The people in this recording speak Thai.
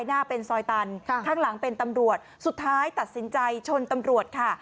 หน้าเป็นซอยตันข้างหลังเป็นตำรวจสุดท้ายตัดสินใจชนตำรวจค่ะ